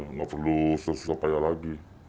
nggak perlu sesukai lagi